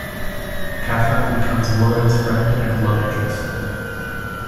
Cathryn becomes Willard's friend and love interest.